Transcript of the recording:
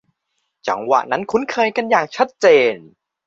จังหวะนั้นคุ้นเคยกันอย่างชัดเจน